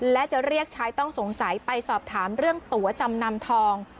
และจะเรียกชายต้องสงสัยไปสอบถามเรื่องตัวจำนำทอง